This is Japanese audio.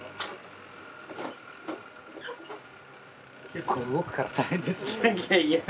結構動くから大変ですね。